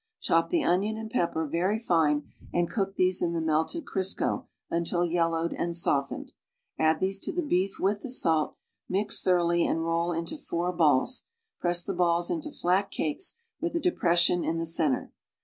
Chop the onion and pepper very, fine and cook these in the melted Crisco until yellowed and softened; add these to the beef with the salt, mix thoroughly and roll into four balls; press the; balls into flat cakes with a depression in the center.